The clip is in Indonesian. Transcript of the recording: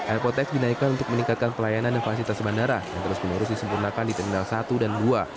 airport tax dinaikkan untuk meningkatkan pelayanan dan fasilitas bandara yang terus menerus disempurnakan di terminal satu dan dua